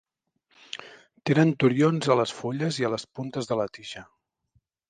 Tenen turions a les fulles i puntes de la tija.